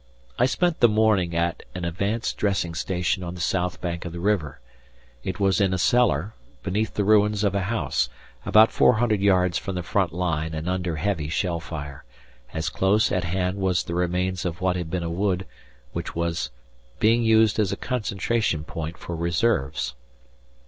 I spent the morning at an advanced dressing station on the south bank of the river. It was in a cellar, beneath the ruins of a house, about 400 yards from the front line and under heavy shell fire, as close at hand was the remains of what had been a wood, which was being used as a concentration point for reserves.